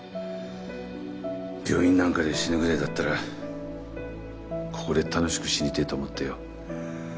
病院なんかで死ぬぐらいだったらここで楽しく死にてぇと思ってよ。